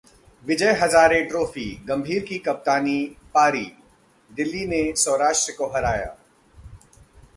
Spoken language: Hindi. विजय हजारे ट्रॉफी: गंभीर की कप्तानी पारी, दिल्ली ने सौराष्ट्र को हराया